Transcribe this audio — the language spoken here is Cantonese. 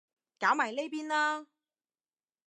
搞埋呢邊啦